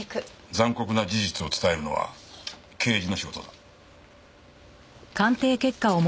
残酷な事実を伝えるのは刑事の仕事だ。